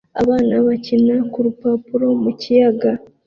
Abana bakina kurupapuro mu kiyaga